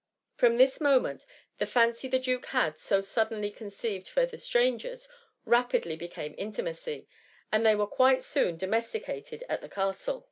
From this moment the fancy the duke had so suddenly conceived for the strangers, rapidly became intimacy, and they were soon quite H 5 154 THE MUMMY. domesticated at the castle.